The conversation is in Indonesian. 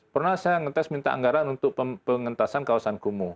pernah saya ngetes minta anggaran untuk pengentasan kawasan kumuh